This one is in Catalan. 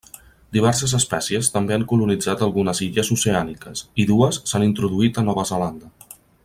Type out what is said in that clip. Diverses espècies també han colonitzat algunes illes oceàniques, i dues s'han introduït a Nova Zelanda.